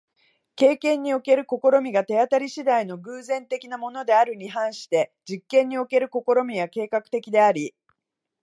経験における試みが手当り次第の偶然的なものであるに反して、実験における試みは計画的であり、